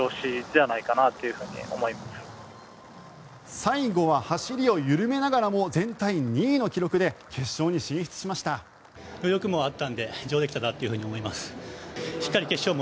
最後は走りを緩めながらも全体２位の記録で決勝に進出しました。